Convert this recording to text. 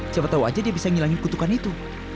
siapa tau aja dia bisa ngilangin kutukan itu